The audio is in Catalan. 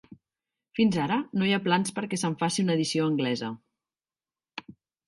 Fins ara, no hi ha plans perquè se'n faci una edició anglesa.